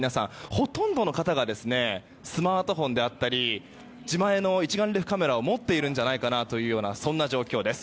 ほとんどの方がスマートフォンであったり自前の一眼レフカメラを持っているんじゃないかなというようなそんな状況です。